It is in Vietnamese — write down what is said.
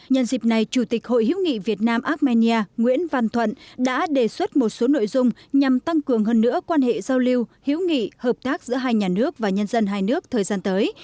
nhân dịp này chủ tịch hội hiếu nghị việt nam armenia nguyễn văn thuận đã đề xuất một số nội dung nhằm tăng cường hơn nữa quan hệ giao lưu hữu nghị hợp tác giữa hai nhà nước và nhân dân hai nước thời gian tới